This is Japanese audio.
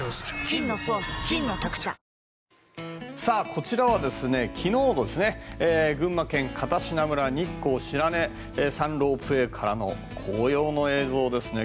こちらは昨日の群馬県片品村日光白根山ロープウェイからの紅葉の映像ですね。